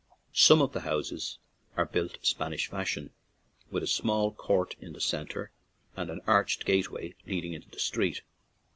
Some of the houses are built Spanish fashion, with a small court in the centre and an arched gateway leading into the street.